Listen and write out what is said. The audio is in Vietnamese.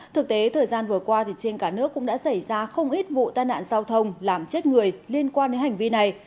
thực tế thời gian vừa qua trên cả nước cũng đã xảy ra không ít vụ tai nạn giao thông làm chết người liên quan đến hành vi này